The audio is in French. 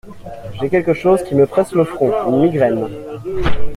J'ai quelque chose qui me presse le front, une migraine.